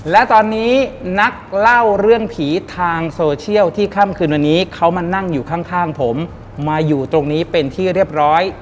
และตอนนี้นักเล่าเรื่องผีทางโซเชียลที่ค่ำคืนวันนี้เขามานั่งอยู่ข้างผมมาอยู่ตรงนี้เป็นที่เรียบร้อย